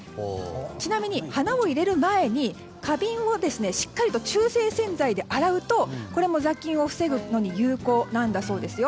ちなみに花を入れる前に花瓶をしっかりと中性洗剤で洗うとこれも雑菌を防ぐのに有効なんだそうです。